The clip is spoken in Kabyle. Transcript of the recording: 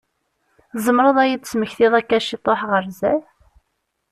Tzemreḍ ad yi-d-tesmektiḍ akka ciṭuḥ ɣer zzat?